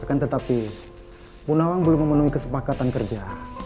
akan tetapi punawang belum memenuhi kesepakatan kerja